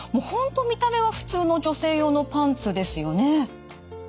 本当見た目は普通の女性用のパンツですよね。